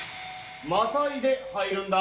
またいで入るんだ。